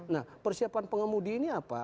nah persiapan pengemudi ini apa